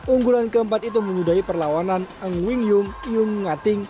unggulan keempat itu menyudahi perlawanan ngwing yung yung ngating